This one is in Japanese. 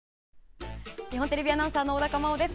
日本テレビアナウンサー小高茉緒です。